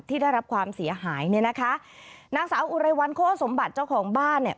ได้รับความเสียหายเนี่ยนะคะนางสาวอุไรวันโค้สมบัติเจ้าของบ้านเนี่ย